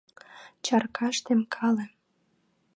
Чаркаш темкале.